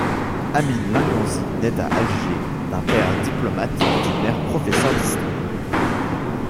Amine Linganzi naît à Alger, d’un père diplomate et d’une mère professeur d’histoire.